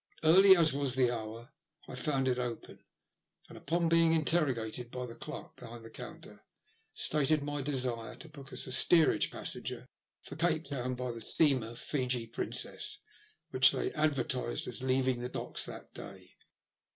Early as was the hour I found it open, and upon being interrogated by the clerk behind the counter, stated my desire to book as THE LUST OF HATB. 100 Steerage passenger for Cape Town by the steamer Fiji Princess, which they advertised as leaving the docks that day.